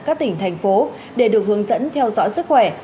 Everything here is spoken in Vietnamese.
các tỉnh thành phố để được hướng dẫn theo dõi sức khỏe